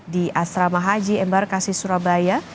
di asrama haji embarkasi surabaya